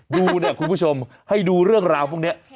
ดูเนี่ยคุณผู้ชมให้ดูเรื่องราวพวกนี้